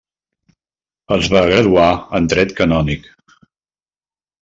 Es va graduar en dret canònic.